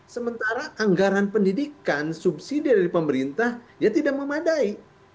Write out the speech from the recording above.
sementara anggaran pendidikan subsidi dari pemerintah ya tidak memadai